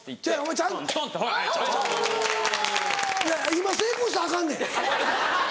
今成功したらアカンねん。